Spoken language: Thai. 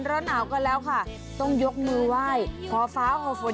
ร้อนหนาวกันแล้วค่ะต้องยกมือไหว้ขอฟ้าขอฝน